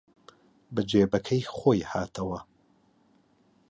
بە جێبەکەی خۆی هاتەوە